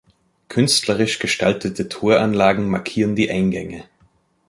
Künstlerisch gestaltete Toranlagen markieren die Eingänge.